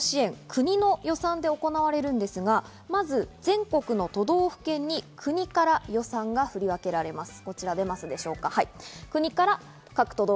国の予算で行われるんですが、まず全国の都道府県に、国から予算が振り分けられます。